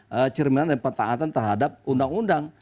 dari cerminan dan pertahatan terhadap undang undang